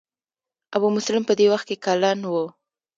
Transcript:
ابو مسلم په دې وخت کې کلن و.